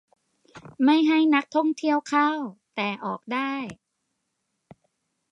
- ไม่ให้นักท่องเที่ยวเข้า แต่ออกได้